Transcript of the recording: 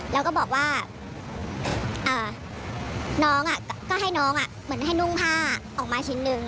แล้วก็บอกว่าน้องก็ให้น้องเหมือนให้นุ่งผ้าออกมาชิ้นหนึ่ง